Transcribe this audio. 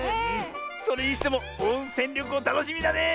それにしてもおんせんりょこうたのしみだねえ。